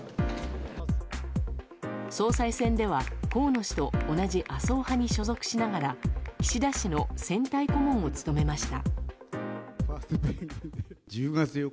総裁選では河野氏と同じ麻生派に所属しながら岸田氏の選対顧問を務めました。